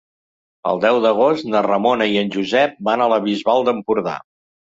El deu d'agost na Ramona i en Josep van a la Bisbal d'Empordà.